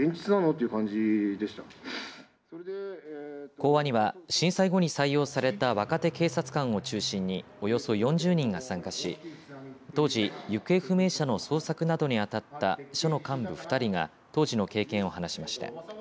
講話には震災後に採用された若手警察官を中心におよそ４０人が参加し、当時行方不明者の捜索などに当たった署の幹部２人が当時の経験を話しました。